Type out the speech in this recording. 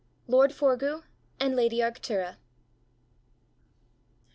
LORD FORGUE AND LADY ARCTURA.